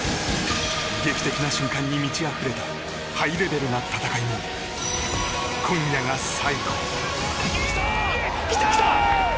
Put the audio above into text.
劇的な瞬間に満ちあふれたハイレベルな戦いも今夜が最後。